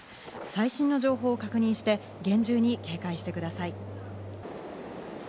最新の情報を確認して厳重に警戒してください。